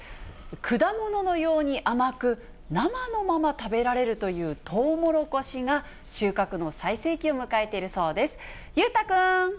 果物のように甘く、生のまま食べられるというとうもろこしが、収穫の最盛期を迎えているそうです。